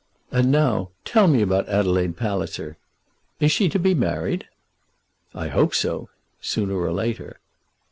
And now tell me about Adelaide Palliser. Is she to be married?" "I hope so, sooner or later."